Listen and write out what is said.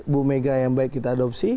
bumega yang baiknya apa kita adopsi